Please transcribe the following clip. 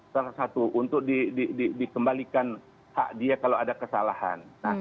salah satu untuk dikembalikan hak dia kalau ada kesalahan